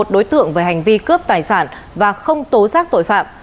một đối tượng về hành vi cướp tài sản và không tố giác tội phạm